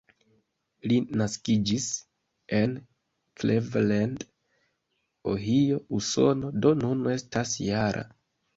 Li naskiĝis en Cleveland, Ohio, Usono, do nun estas -jara.